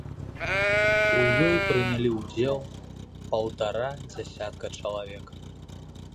У ёй прынялі ўдзел паўтара дзясятка чалавек.